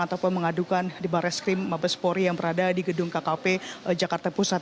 ataupun mengadukan di barreskrim mabespori yang berada di gedung kkp jakarta pusat